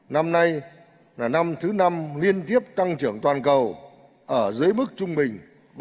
năm nay là năm thứ năm liên tiếp tăng trưởng toàn cầu ở dưới mức trung bình ba mươi